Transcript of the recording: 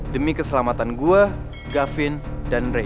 demi keselamatan gue gavin dan ray